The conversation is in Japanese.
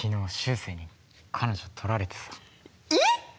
えっ？